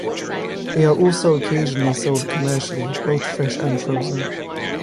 They are also occasionally sold commercially both fresh and frozen.